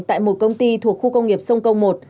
tại một công ty thuộc khu công nghiệp sông công một